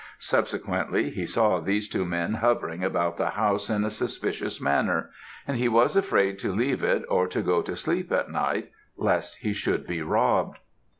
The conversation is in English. Subsequently, he saw these two men hovering about the house in a suspicious manner, and he was afraid to leave it or to go to sleep at night, lest he should be robbed.